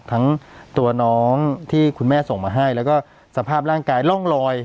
ทั้งตัวน้องที่คุณแม่ส่งมาให้แล้วก็สภาพร่างกายร่องลอย